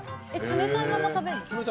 冷たいまま食べる。